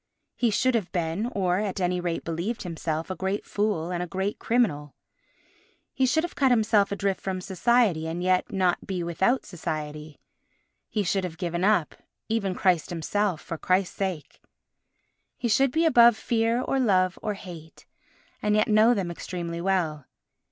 He should have been, or at any rate believed himself, a great fool and a great criminal. He should have cut himself adrift from society, and yet not be without society. He should have given up all, even Christ himself, for Christ's sake. He should be above fear or love or hate, and yet know them extremely well.